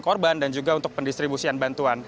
korban dan juga untuk pendistribusian bantuan